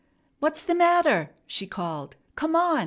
"What's the matter?" she called. "Come on!